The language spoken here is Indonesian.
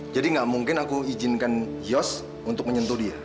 jadi gak mungkin aku izinkan yos untuk menyentuh dia